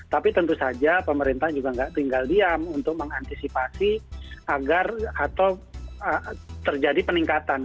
tapi tentu saja pemerintah juga nggak tinggal diam untuk mengantisipasi agar atau terjadi peningkatan